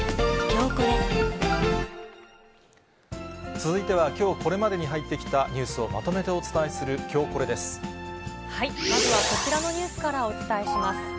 続いては、きょうこれまでに入ってきたニュースをまとめてお伝えする、まずはこちらのニュースからお伝えします。